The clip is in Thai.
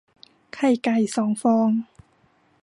ไข่ไก่สองฟอง